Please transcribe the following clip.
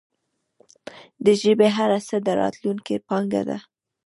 د ژبي هره هڅه د راتلونکې پانګه ده.